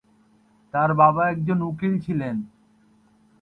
তাঁর বাবা একজন উকিল ছিলেন।